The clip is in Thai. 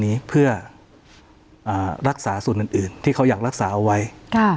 นี้เพื่ออ่ารักษาส่วนอื่นอื่นที่เขาอยากรักษาเอาไว้ค่ะ